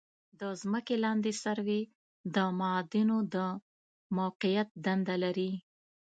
د ځمکې لاندې سروې د معادنو د موقعیت دنده لري